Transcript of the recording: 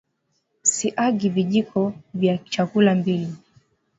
siagi vijiko vya chakula mbili